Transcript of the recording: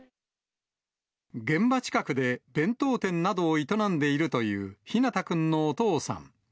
現場近くで弁当店などを営んでいるという陽大君のお父さん。